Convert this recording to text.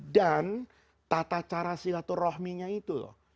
dan tata cara silaturrohminya itu loh